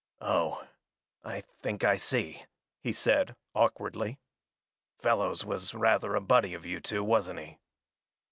"Oh, I think I see," he said, awkwardly. "Fellows was rather a buddy of you two, wasn't he?"